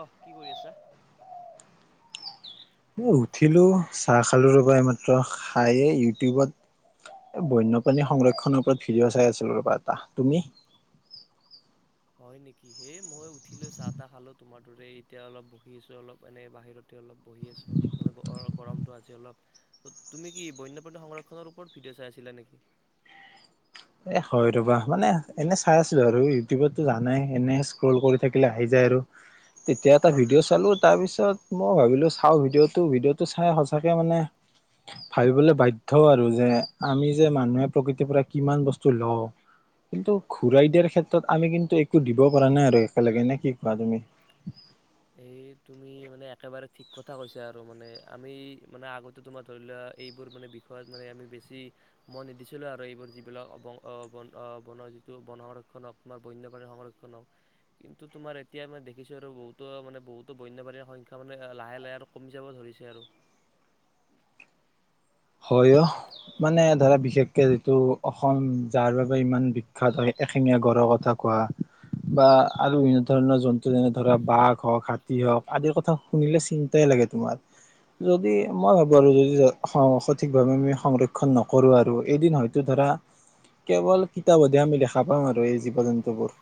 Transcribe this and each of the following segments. আহ কি কৰি আছা? উঠিলো চাহ খালো ৰ'বা এইমাত্ৰ খায়ে ইউটিউবত বন্যপ্ৰাণী সংৰক্ষনৰ ওপৰত ভিডিঅ' চাই আছিলো ৰবা এটা। তুমি? হয় নেকি হেই মই উঠিলৈ চাহ তাহ খালো তোমাৰ তোৰে এতিয়া অলপ বহি আছো অলপ এনেই বাহিৰতে অলপ বহি আছোঁ মানে গৰমটো আজি অলপ তুমি কি বন্যপ্ৰাণী সংৰক্ষণৰ ওপৰত ভিডিঅ' চাই আছিলা নেকি? এ হয় ৰবা মানে, এনে চাই আছিলো আৰু ইউটিউবতো জানাই এনে স্ক্ৰল কৰি থাকিলে আহি যায় আৰু তেতিয়া এটা ভিডিঅ' চালো তাৰ পিছত মই ভাবিলো চাওঁ ভিডিঅ' টো, ভিডিঅ'টো চাই সঁচাকে মানে ভাবিবলৈ বাধ্য আৰু যে আমি যে মানুহে প্ৰকৃতিৰ পৰা কিমান বস্তু ল কিন্তু ঘূৰাই দিয়াৰ ক্ষেত্ৰত আমি কিন্তু একো দিব পৰা নাই আৰু একেলগে নে কি কোৱা তুমি এই তুমি মানে একেবাৰে ঠিক কথা কৈছা আৰু মানে আমি মানে আগতে তোমাৰ ধৰি লোৱা এইবোৰ মানে বিষয়ত মানে আমি বেছি মন নিদিছিলো আৰু এইবোৰ যিবিলাক ব ব যিটো বন সংৰক্ষণ হওক তোমাৰ বন্যপ্ৰাণীৰ সংৰক্ষণ হওক কিন্তু তোমাৰ এতিয়া মানে দেখিছো আৰু বহুত তো মানে বহুতো বন্য বাাণীৰ সংখ্যমানে লাহে লাহে আৰু কমি যাব ধৰিছে আৰু হয় অ মানে ধৰা বিশেষকে যিটো অসম যাৰ বাবে ইমান বিখ্যাত হয় এশেঙীয়া গড়ৰ কথা কোৱা বা আৰু বিভিন্ন ধৰণৰ জন্তু যেনে ধৰা বাঘ হওক, হাতী হওক আদিৰ কথা শুনিলে চিন্তাই লাগে তোমাৰ। যদি মই ভাবো আৰু যদি অসম সঠিকভাৱে আমি সংৰক্ষণ নকৰো আৰু এদিন হয়তো ধৰা কেৱল কিতাপতহে আমি দেখা পাম আৰু এই জীৱ জন্তুবোৰ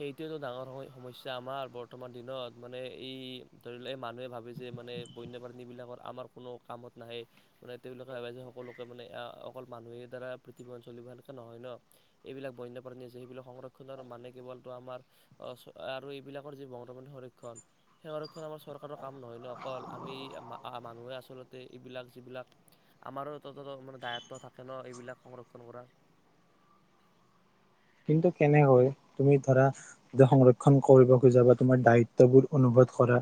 সেইটোৱেতো ডাঙৰ সমস্যা আমাৰ বৰ্তমান দিনত মানে এই ধৰি লওক এই মানুহে ভাবে যে মানে বন্যপ্ৰাণীবিলাকৰ আমাৰ কোনো কামত নাহে, মানে তেওঁলোকে ভাবে যে সকলোকে মানে অকল মানুহে দ্বাৰা পৃথিৱীখন চলিব সেনেকে নহয় ন? এইবিলাক বন্যপ্ৰাণী আছে সেইবিলাক সংৰক্ষণৰ মানে কেৱল আমাৰ আৰু এইবিলাকৰ যি বং সংৰক্ষণ সেই সংৰক্ষণ আমাৰ চৰকাৰৰ কাম নহয় ন অকল আমি মানুহে আচলতে এইবিলাক যিবিলাক আমাৰো ত মানে দায়ত্ব থাকে ন এইবিলাক সংৰক্ষন কৰাৰ কিন্তু কেনেকৈ তুমি ধৰা য সংৰক্ষণ কৰিব খোজা বা তোমাৰ দায়িত্ববোৰ অনুবধ কৰা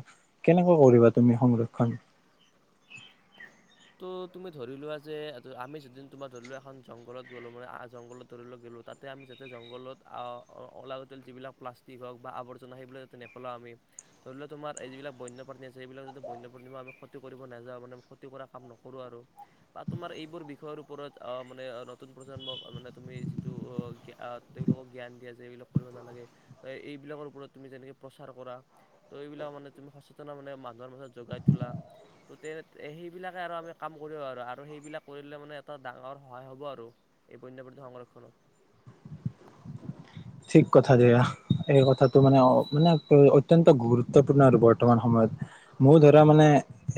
কেনেকৈ কৰিবা তুমি সংৰক্ষন ত' তুমি ধৰি লোৱা যে আমি যেদিন তোমাৰ ধৰি লোৱা এখন জংঘলত গ'লো মানে আ জংঘলত ধৰি লও গ'লো তাতে আমি যাতে জংঘলত অলাগতিল যিবিলাক প্লাষ্টিক হওক বা আৱৰ্জনা সেইবিলাকাতে নপেলাওঁ আমি ধৰি লোৱা তোমাৰ এই যিবিলাক বন্যপ্ৰাণী আছে সেইবিলাক যাতে বন্যপ্ৰাণীৰ আমি ক্ষতি কৰিব নাযাওঁ মানে ক্ষতি কৰা কাম নকৰোঁ আৰু বা তোমাৰ এইবোৰ বিষয়ৰ ওপৰত মানে নতুন প্ৰজন্মক মানে তুমি যিটো তেওঁলোকক জ্ঞান দিয়া যে এইবিলাক কৰিব নালাগে ত এইবিলাকৰ ওপৰত তুমি যেনেকৈ প্ৰচাৰ কৰা ত' এইবিলাক মানে তুমি সচেতন মানে মানুহৰ মাজত জোগাই তোলা ত' তেনে সেই সেইবিলাকে আৰু আমি কাম কৰি আৰু সেইবিলাক কৰিলে মানে এটা ডাঙৰ সহায় হ'ব আৰু এই বন্যপ্ৰাণী সংৰক্ষণত ঠিক কথা দিয়া এই কথাটো মানে মানে অত্যন্ত গুৰুত্বপূৰ্ণ আৰু বৰ্তমান সময়ত ময়ো ধৰা মানে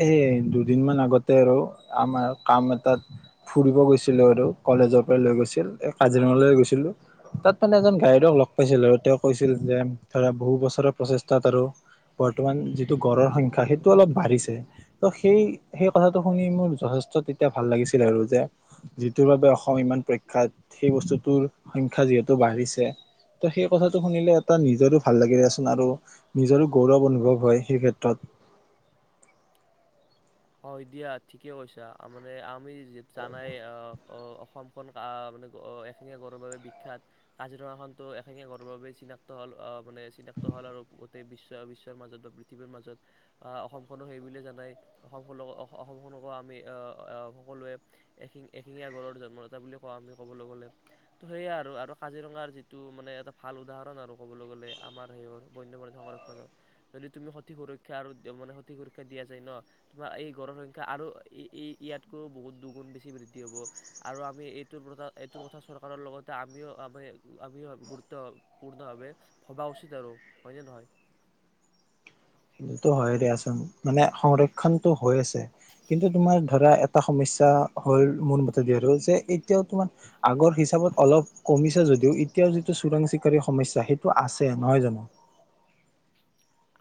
এই দুদিন মান আগতে আৰু আমাৰ কাম এটাত ফুৰিব গৈছিলো আৰু কলেজৰ পৰা লৈ গৈছিল এই কাজিৰঙাৰ লৈ গৈছিলো তাত মানে এজন গায়দেউক লগ পাইছিল আৰু তেওঁ কৈছিল যে, ধৰা বহু বছৰৰ প্ৰচেষ্টাত আৰু বৰ্তমান যিটো গড়ৰ সংখ্যা সেইটো অলপ বাঢ়িছে, তো সেই সেই কথাটো শুনি মোৰ যথেষ্ট তেতিয়া ভাল লাগিছিল আৰু যে যিটোৰ বাবে অসম ইমান প্ৰখ্যাত সেই বস্তুটোৰ সংখ্যা যিহেতু বাঢ়িছে। ত সেই কথাটো শুনিলে এটা নিজৰো ভাল লাগিলেচোন আৰু নিজৰো গৌৰৱ অনুভৱ হয় সেই ক্ষেত্ৰত হয় দিয়া ঠিকে কৈছা তামানে আমি জানাই অহ অসমখন মান এশীঙীয়া গড়ৰ বাবে বিখ্যাত কাজিৰঙাখনো এশীঙীয়া গড়ৰ বাবে চিনাক্ত হল আহ মানে চিনাক্ত হল আৰু গোটেই বিশ্ব বিশ্বৰ মাজত বা পৃথিৱীৰ মাজত আহ অসমখনো সেইবুলিয়ে জানাই অসমখনক অসমখনক ক আমি আহ সকলোৱে এশিঙীয়া ঘৰৰ জন্মদাতা বুলি কওঁ আমি ক'বলৈ গলে ত' সেয়া আৰু কাজিৰঙাৰ যিটো মানে এটা ভাল উদাহৰণ আৰু কবলৈ গলে আমাৰ সেইৰ বন্যপ্ৰাণী সংৰক্ষণৰ যদি তুমি সঠিক সুৰক্ষা আৰু মানে সঠিক সুৰক্ষা দিয়া যায় ন তোমাৰ এই গড়ৰ সংখ্যা আৰু ইয়াতকৈ বহুত দুগুণ বেছি বৃদ্ধি হব আৰু আমি এইটোৰ কথা এইটোৰ কথা চৰকাৰৰ লগতে আমিও আমি আমিও গুৰুত্বপূৰ্ণ ভাৱে ভবা উচিত আৰু হয় নে নহয় সেইটো হয় দিয়াচোন মানে সংৰক্ষণটো হৈ আছে কিন্তু তোমাৰ ধৰা এটা সমস্যা হল মোৰ মতেদি আৰু যে এতিয়াও তোমাৰ আগৰ হিচাপত অলপ কমিছে যদিও এতিয়াও যিটো চোৰাং চিকাৰী সমস্যা সেইটো আছে নহয় জানো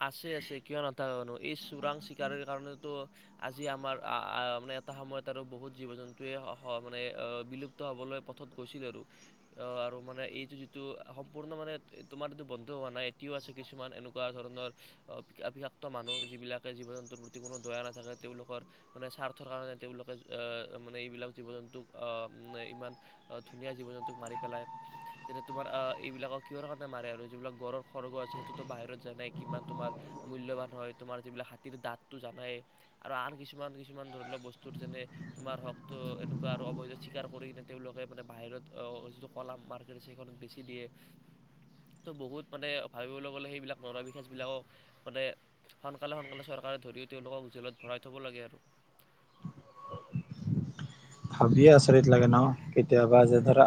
আছে আছে কিয় নাথাকে মানো এই চোৰাং চিকাৰীৰ কাৰণেটো আজি আমাৰ মানে এটা সময়ত আৰু বহুত জীৱ জন্তুৱে মানে বিলুপ্ত হবলৈ পথত গৈছিল আৰু আহ আৰু মানে এইটো যিটো সম্পূৰ্ণ মানে তোমাৰ এইটো বন্ধ হোৱা নাই এতিও আছে কিছুমান এনেকোৱা ধৰণৰ বিষাক্ত মানুহ যিবিলাকে জীৱ জন্তুৰ প্ৰতি কোনো দয়া নাথাকে তেওঁলোকৰ মানে স্বাৰ্থৰ কাৰণে তেওঁলোকে আহ মানে এইবিলাক জীৱ জন্তুক আহ ইমান ধুনীয়া জীৱ জন্তুক মাৰি পেলাই যেতিয়া তোমাৰ আহ এইবিলাকক কিহৰ কাৰণে মাৰে আৰু যিবিলাক গড়ৰ খৰ্গ আছে সেইটোতো বাহিৰত যায় নাই কিমান তোমাৰ মূল্যবান হয় তোমাৰ যিবিলাক হাতীৰ দাঁতটো জানাই আৰু আন কিছুমান কিছুমান ধৰি লোৱা বস্তুৰ যেনে তোমাৰ হক এনেকোৱা আৰু অবৈধ চিকাৰ কৰি কিনে তেওঁলোকে মানে বাহিৰত যিটো কলা মাৰ্কেট আছে সেইখনত বেছি দিয়ে ত' বহুত মানে ভাবিবলৈ গলে সেইবিলাক ন চবিলাকক মানে সোনকালে সোনকালে চৰকাৰে ধৰিও তেওঁলোকক জেলত ভৰাই থ'ব লাগে আৰু ভাবিয়ে আচৰিত লাগে ন কেতিয়াবা যে ধৰা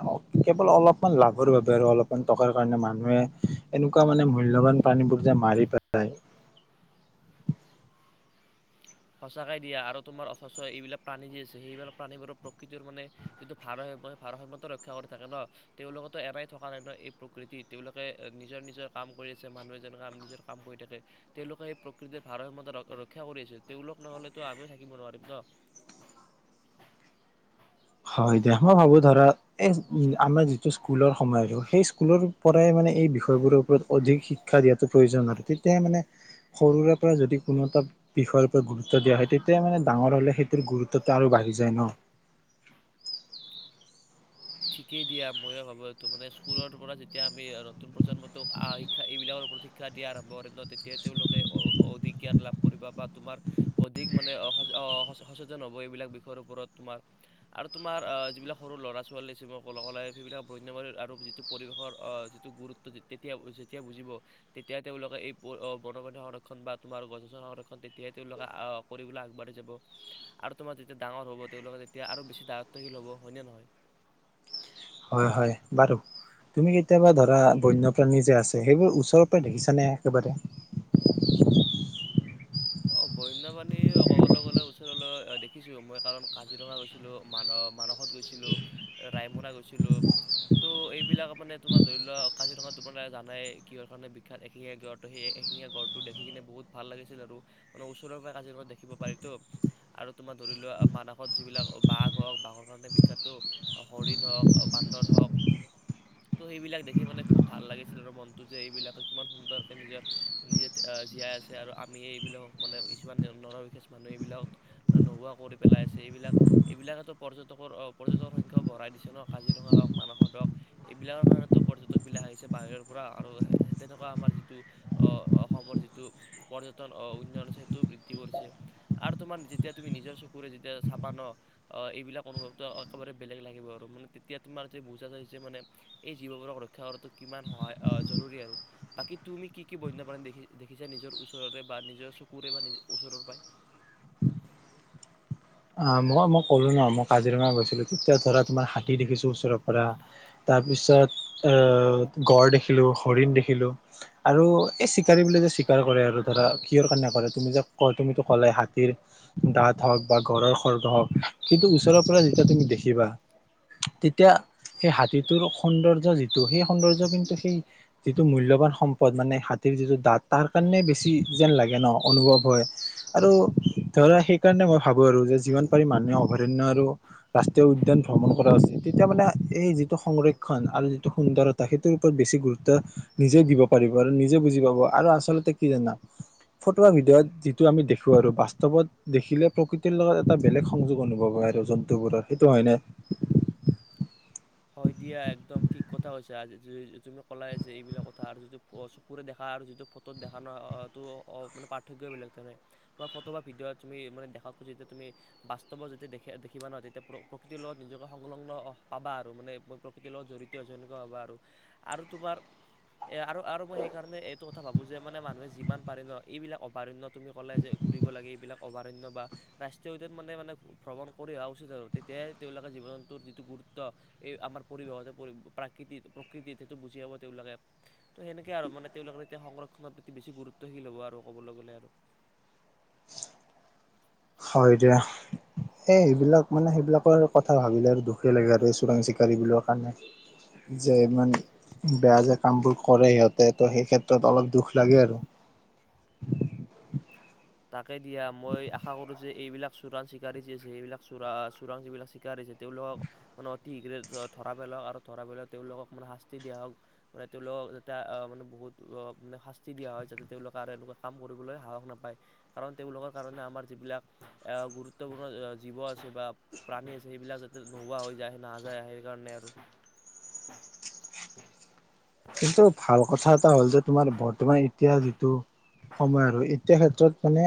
কেৱল অলপমান লাভৰ বাবে আৰু অলপমান টকাৰ কাৰণে মানুহে এনেকোৱা মানে মূল্যৱান প্ৰাানীবোৰ যে মাৰি পেলায় সঁচাকে দিয়া আৰু তোমাৰ অথচ এইবিলাক প্ৰাণী যি আছে সেইবিলাক প্ৰাণীবোৰৰ প্ৰকৃতিৰ মানে যিটো ভাৰসাম্য ভাৰসাম্যতা ৰক্ষা কৰি থাকে ন তেওঁলোকোতো এৰাই থকা নাই ন এই প্ৰকৃতি তেওঁলোকে নিজৰ নিজৰ কাম কৰি আছে মানুহ এজনৰ কাম নিজৰ কাম কৰি থাকে তেওঁলোকে সেই প্ৰকৃতিৰ ভাৰসাম্যতা ৰক্ষা কৰি আছে তেওঁলোক নহলেতো আমিও থাকিব নোৱাৰিম ন হয় দিয়া মই ভাবোঁ ধৰা এই আমাৰ যিটো স্কুলৰ সময় আৰু সেই স্কুলৰ পৰাই মানে এই বিষয়বোৰৰ ওপৰত অধিক শিক্ষা দিয়াটো প্ৰয়োজন আৰু তেতিয়াই মানে সৰুৰে পৰা যদি কোনো এটা বিষয়ৰ ওপৰত গুৰুত্ব দিয়া হয় তেতিয়া মানে ডাঙৰ হ'লে সেইটোৰ গুৰুত্বটো আৰু বাঢ়ি যায় ন ঠিকেই দিয়া ময়ো ভাবো এইটো মানে স্কুলৰ পৰা যেতিয়া আমি নতুন প্ৰজন্মটোক শিক্ষা এইবিলাকৰ ওপৰত শিক্ষা দিয়া আৰম্ভ কৰিম ন তেতিয়া তেওঁলোকে অধিক জ্ঞান লাভ কৰিব বা তোমাৰ অধিক মানে সচেতন হব এইবিলাক বিষয়ৰ ওপৰত তোমাৰ আৰু তোমাৰ যিবিলাক সৰু লৰা ছো ছোৱালী সেইবিলাক বন্যবীৰ আৰু যিটো পৰিৱেশৰ যিটো গুৰুত্ব তেতিয়া যেতিয়া বুজিব তেতিয়াই তেওঁলোকে এই বনপণী সংৰক্ষণ বা তোমাৰ গছ গছনি সংৰক্ষণ তেতিয়াই তেওঁলোকে কৰিবলৈ আগবাঢ়ি যাব আৰু তোমাৰ যেতিয়া ডাঙৰ হ'ব তেওঁলোকে তেতিয়া আৰু বেছি দায়িত্বীল হ'ব হয়নে নহয় হয় হয় বাৰু তুমি কেতিয়াবা ধৰা বন্যপ্ৰাণী যে আছে সেইবোৰ ওচৰৰ পৰা দেখিছানে একেবাৰে অ বন্যপ্ৰাণী ক'বলৈ গ'লে ওচৰলৈ দেখিছোঁ মই কাৰণ কাজিৰঙা গৈছিলোঁ মান মানসত গৈছিলো ৰায়মনা গৈছিলো ত' এইবিলাক মানে তোমাৰ ধৰি লোৱা কাজিৰঙা তোমালোকে জানাই কিহৰ কাৰণে বিখ্যাত এশিঙীয়া গড় ত সেই এশিঙীয়া গড়টো দেখি কিনে বহুত ভাল লাগিছিল আৰু মানে ওচৰৰ পৰা কাজিৰঙা দেখিব পাৰিতো আৰু তোমাৰ ধৰি লোৱা মানসত যিবিলাক বাঘ হওক বাঘৰ কাৰণে বিখ্যাততো হৰিণ হওক বান্দৰ হওক ত সেইবিলাক দেখি মানে খুব ভাল লাগিছিল আৰু মনটো যে এইবিলাকে কিমান সুন্দৰকে নিজৰ নিজে জীয়াই আছে আৰু আমি এই এইবিলাকক মানে কিছুমান নৰবিশেষ মানুহে এইবিলাক নোহোৱা কৰি পেলাই আছে এইবিলাক এইবিলাকেতো পৰ্যটকৰ পৰ্যটকৰ সংখ্যাও বঢ়াই দিছে ন কাজিৰঙা হওক মানসৰ হওক এইবিলাকৰ কাৰণেতো পৰ্যটকবিলাক আহিছে বাহিৰৰ পৰা আৰু তেনেকোৱা আমাৰ যিটো অসমৰ যিটো পৰ্য্য উন্নয়ন সেইটো বৃদ্ধি কৰিছে আৰু তোমাৰ যেতিয়া তুমি নিজৰ চকুৰে যেতিয়া চাবা ন এইবিলাক অনুভৱটো একেবাৰে বেলেগ লাগিব আৰু মানে তেতিয়া তোমাৰ যে বোজা যে মানে এই জীৱবোৰক ৰক্ষা কৰাটো কিমান সহায় জৰুৰী আৰু বাকী তুমি কি কি বন্যপ্ৰাণ দেখি দেখিছা নিজৰ ওচৰত বা নিজৰ চকুৰে বা নিজৰ ওচৰৰ পৰা অ মই মই ক'লো নহ মই কাজিৰঙা গৈছিলো তেতিয়া ধৰা তোমাৰ হাতী দেখিছো ওচৰৰ পৰা তাৰ পিছত এ গড় দেখিলো হৰিণ দেখিলো আৰু এই চিকাৰী বুলি যে চিকাৰ কৰে আৰু ধৰা কিহৰ কাৰণে কৰে তুমি যে ক তুমিতো ক'লে হাতীৰ দাঁত হওক বা ঘৰৰ খৰ্গ হক কিন্তু ওচৰৰ পৰা যেতিয়া তুমি দেখিবা তেতিয়া সেই হাতীটোৰ সৌন্দৰ্য যিটো সেই সৌন্দৰ্য কিন্তু সেই যিটো মূল্যবান সম্পদ মানে হাতীৰ যিটো দাঁত তাৰ কাৰণে বেছি যেন লাগে ন অনুভৱ হয় আৰু ধৰা সেইকাৰণে মই ভাবো আৰু যে যিমান পাৰি মানুহে অভয়াৰণ্য আৰু ৰাষ্ট্ৰীয় উদ্যান ভ্ৰমণ কৰা উচিত তেতিয়া মানে এই যিটো সংৰক্ষণ আৰু যিটো সুন্দৰতা সেইটোৰ ওপৰত বেছি গুৰুত্ব নিজে দিব পাৰিব আৰু নিজে বুজি পাব আৰু আচলতে কি জানা ফটোৱা ভিডিঅ'ত যিটো আমি দেখো আৰু বাস্তৱত দেখিলে প্ৰকৃতিৰ লগত এটা বেলেগ সংযোগ অনুভৱ হয় আৰু জন্তুবোৰৰ সেইটো হয়নে হয় দিয়া একদম ঠিক কথা হৈছে তুমি ক'লাই যে এইবিলাক কথা আৰু যিটো চকুৰে দেখা আৰু যিটো ফটোত দেখা ন সেইটো পাৰ্থক্যই বেলেগ ফটো বা ভিডিঅ' তুমি মানে দেখাক যেতিয়া তুমি বাস্তৱ যেতিয়া দেখিবা নহয় তেতিয়া প্ৰকৃতিৰ লগত নিজকে সংলগ্ন পাবা ম মই প্ৰকৃতিৰ লগত জড়িত হৈ যেনেকুৱা হাবা আৰু তোমাৰ এ আৰু মই সেইকাৰণে এইটো কথা ভাবো যে মানে মানুহে যিমান পাৰে ন এইবিলাক অভয়াৰণয় তুমি কলে যে ঘূৰিব লাগে এইবিলাক অভয়াৰণয় বা ৰাষ্ট্ৰীয় উদ্য়ান মানে মানে ভ্ৰমণ কৰি অহা উচিত আৰু তেতিয়াই তেওঁলোকে জীৱনটোৰ যিটো গুৰুত্ব এই আমাৰ পৰিৱেশতে পৰি প্ৰাকৃতি প্ৰকৃতিত সেইটো বুজিব তেওঁওলোকে ত সেনেকে আৰু মানে তেওঁলোকৰ এতিয়া সংৰক্ষনৰৰ প্ৰতি বেছি গুৰুত্বশীল হ'ব আৰু কবলৈ গলে আৰু হয় দিয়া এই সেইবিলাক মানে সেইবিলাকৰ কথা ভাবিলে আৰু দুখেই লাগে আৰু এই চোৰাং চিকাৰী বিলাকৰ কাৰণে যে ইমান বেয়া যে কামবোৰ কৰে সিহঁতে ত সেই ক্ষেত্ৰত অলপ দুখ লাগে আৰু তাকে দিয়া মই আশা কৰো যে এইবিলাক চোৰাং চিকাৰি যছে এইবিলাক চোৰা চোৰাং যিবিলাক চিকাৰিছে তেওঁলোকক মানে অতি শীঘ্ৰে ধৰা পেলক আৰু ধৰা পেলাই তেওঁলোকক মানে শাস্তি দিয়া হওক মানে তেওঁলোকক যাতে মানে বহুত শাস্তি দিয়া হয় যাতে তেওঁলোকক আৰু এনেকুৱা কাম কৰিবলৈ সাহস নাপায়। কাৰণ তেওঁলোকৰ কাৰণে আমাৰ যিবিলাক আহ গুৰুত্বপূৰ্ণ জীৱ আছে বা প্ৰাণী আছে সেইবিলাক যাতে নোহোৱা হৈ যায় নাযায় সেই কাৰণে আৰু কিন্তু ভাল কথা এটা হ'ল যে তোমাৰ বৰ্তমান এতিয়া যিটো সময় আৰু এতিয়া ক্ষেত্ৰত মানে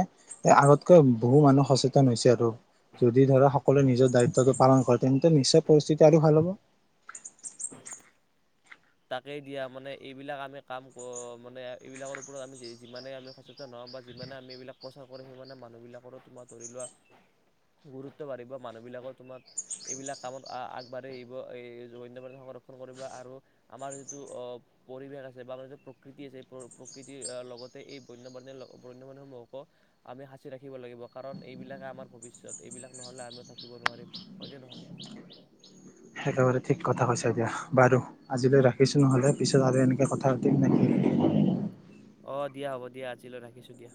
এ আগতকৈ বহু মানুহ সচেতন হৈছে আৰু যদি ধৰা সকলোৱে নিজৰ দায়িত্বটো পালন কৰে তেন্তে নিশ্চয় পৰিস্থিতি আৰু ভাল হব। তাকেই দিয়া মানে এইবিলাক আমি কাম মানে এইবিলাকৰ ওপৰত আমি যিমানে আমি সচেতন হওঁ বা যিমানে আমি এইবিলাক প্ৰচাৰ কৰি সিমানে মানুহ বিলাকৰো তোমাৰ ধৰি লোৱা গুৰুত্ব বাঢ়িব মানুহ বিলাকৰ তোমাৰ এইবিলাক কামত আগবাঢ়ি আহিব এইন্য সংৰক্ষণ কৰিব আৰু আমাৰ যিটো আহ পৰিৱেশ আছে বা আমাৰ যিটো প্ৰকৃতি আছে প্ৰকৃতিৰ লগতে এই বন্য বন্যপ্ৰাণীবোৰৰ আমি সাঁচি ৰাখিব লাগিব কাৰণ এইবিলাকে আমাৰ ভৱিষ্যত এইবিলাক নহলে আমিও থাকিব নোৱাৰিম হয়ত নহয় একেবাৰে ঠিক কথা কৈছা এ দিয়া বাৰু আজিলৈ ৰাখিছো নহলে পিছত আৰু এনেকে কথা পাতিম নেকি অঁ দিয়া হ'ব দিয়া আজিলৈ ৰাখিছোঁ দিয়া